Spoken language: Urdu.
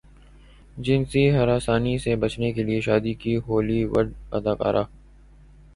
جنسی ہراسانی سے بچنے کیلئے شادی کی ہولی وڈ اداکارہ